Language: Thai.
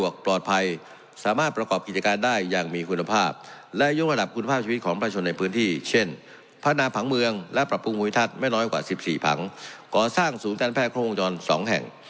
ก่อสร้างศูนย์การแพทย์โครงโยน๒แห่ง